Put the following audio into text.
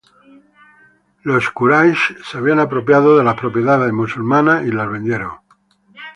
Los Quraysh se habían apropiado de las propiedades musulmanas y las vendieron.